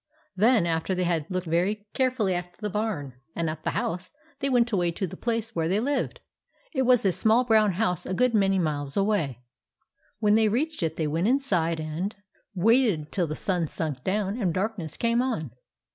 Then, after they had looked very carefully at the barn and at the house, they went away to the place where they lived. It was a small brown house a good many miles away. When they reached it, they went inside and waited till the sun sank down and darkness came on.